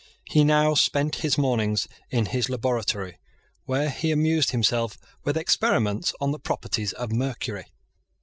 He now spent his mornings in his laboratory, where he amused himself with experiments on the properties of mercury.